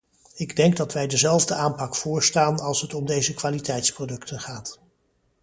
Ik denk dat wij dezelfde aanpak voorstaan als het om deze kwaliteitsproducten gaat.